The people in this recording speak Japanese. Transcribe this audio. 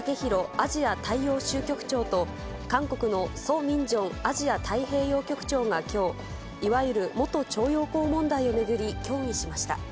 アジア大洋州局長と、韓国のソ・ミンジョンアジア太平洋局長がきょう、いわゆる元徴用工問題を巡り協議しました。